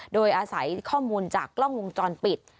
โดยอาศัยข้อมูลจากกล้องวงจรปิด